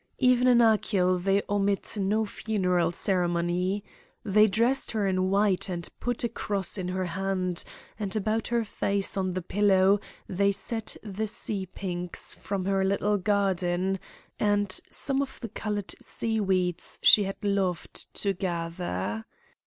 Even in Achill they omit no funeral ceremony. They dressed her in white and put a cross in her hand, and about her face on the pillow they set the sea pinks from her little garden, and some of the coloured seaweeds she had loved to gather.